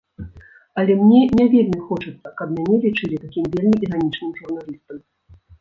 Але мне не вельмі хочацца, каб мяне лічылі такім вельмі іранічным журналістам.